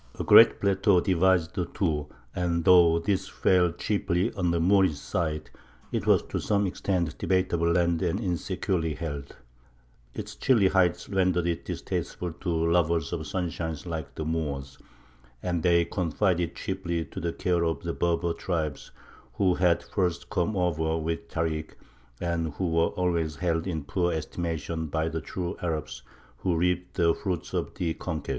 A great plateau divides the two, and though this fell chiefly on the Moorish side, it was to some extent debatable land and insecurely held. Its chilly heights rendered it distasteful to lovers of sunshine like the Moors, and they confided it chiefly to the care of the Berber tribes who had first come over with Tārik, and who were always held in poor estimation by the true Arabs who reaped the fruits of the conquest.